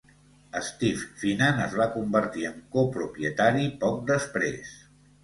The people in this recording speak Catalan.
Steve Finan es va convertir en copropietari poc després.